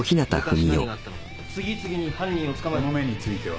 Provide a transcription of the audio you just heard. この目については？